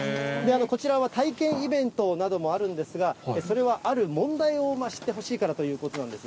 こちらは体験イベントなどもあるんですが、それはある問題を知ってほしいからということなんです。